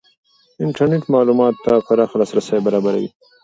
انټرنېټ معلوماتو ته پراخ لاسرسی برابروي.